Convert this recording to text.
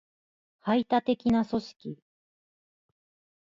排他的な組織